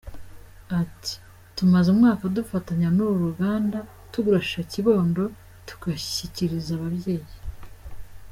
Ati “Tumaze umwaka dufatanya n’uru ruganda, tugura Shisha Kibondo tugashyikiriza ababyeyi.